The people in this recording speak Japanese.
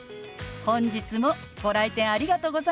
本日もご来店ありがとうございます！